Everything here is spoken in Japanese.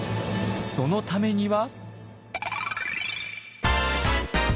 そのためには。